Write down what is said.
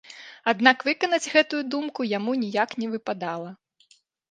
Аднак выканаць гэтую думку яму ніяк не выпадала.